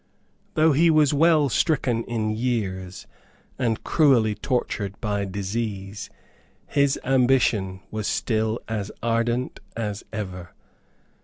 Though he was well stricken in years and cruelly tortured by disease, his ambition was still as ardent as ever.